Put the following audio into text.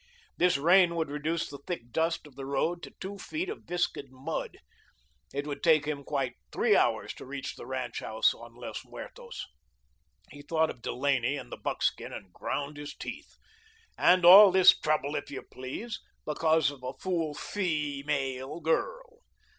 This rain would reduce the thick dust of the road to two feet of viscid mud. It would take him quite three hours to reach the ranch house on Los Muertos. He thought of Delaney and the buckskin and ground his teeth. And all this trouble, if you please, because of a fool feemale girl.